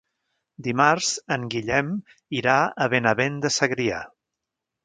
Dimarts en Guillem irà a Benavent de Segrià.